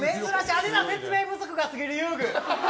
あるいは説明不足が過ぎる遊具。